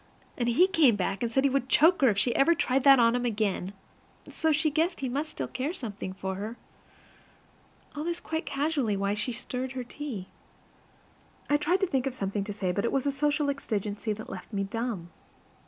And he came back, and said he would choke her if she ever tried that on him again; so she guessed he must still care something for her. All this quite casually while she stirred her tea. I tried to think of something to say, but it was a social exigency that left me dumb.